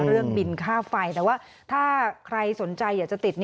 เรื่องบินค่าไฟแต่ว่าถ้าใครสนใจอยากจะติด